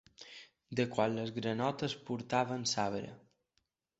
De quan les granotes portaven sabre.